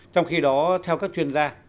trong khi đó theo các chuyên gia